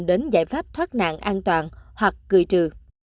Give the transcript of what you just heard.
đến giải pháp thoát nạn an toàn hoặc cười trừ